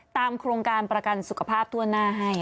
โครงการประกันสุขภาพทั่วหน้าให้